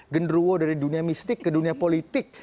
genderuwo dari dunia mistik ke dunia politik